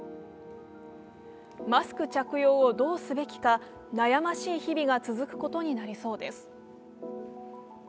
マスク着用をどうすべきか、悩ましい日々が続くことになりそうです。